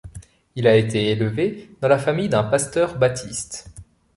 Il a été élevé dans la famille d’un pasteur baptiste.